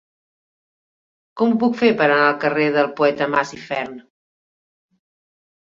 Com ho puc fer per anar al carrer del Poeta Masifern?